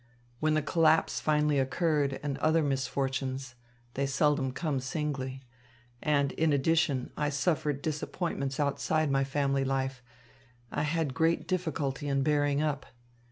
When the collapse finally occurred and other misfortunes they seldom come singly and in addition I suffered disappointments outside my family life, I had great difficulty in bearing up.